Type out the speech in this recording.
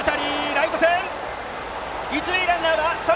ライト線。